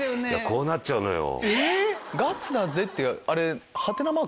こうなっちゃうのよ。